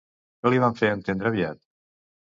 Què li van fer entendre aviat?